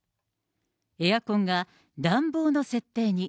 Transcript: エアコンが暖房の設定に。